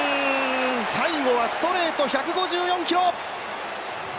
最後はストレート１５４キロ！